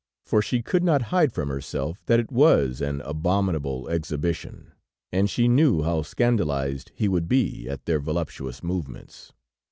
For she could not hide from herself that it was an abominable exhibition, and she knew how scandalized he would be at their voluptuous movements.